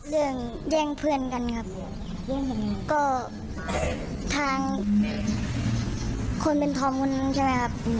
เรื่องแย่งเพื่อนกันครับแย่งเพื่อนกันทางคนเป็นทองนึงใช่ไหมครับ